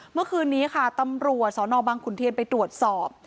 เมื่อคืนนี้ค่ะตำรวจสนบังขุนเทียนไปตรวจสอบ